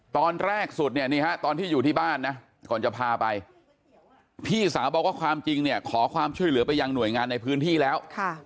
ตอนแรกสุดตอนที่อยู่ที่บ้านนะพี่สาวบอกว่าความจริงเนี่ยขอความช่วยเหลือไปยังหน่วยงานในพื้นที่แล้ว